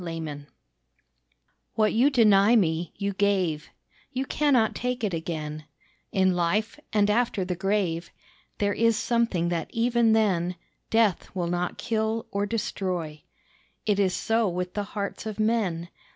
TO —— What you deny me, you gave; You cannot take it again In life and after the grave There is something that even then, Death will not kill or destroy, It is so with the hearts of men.